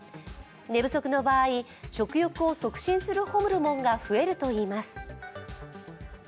寝不足の場合、食欲を促進するホルモンが増えるといいます。